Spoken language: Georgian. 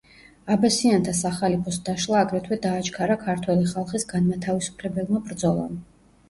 აბასიანთა სახალიფოს დაშლა აგრეთვე დააჩქარა ქართველი ხალხის განმათავისუფლებელმა ბრძოლამ.